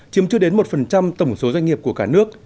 chiếm chưa đến một tổng số doanh nghiệp của cả nước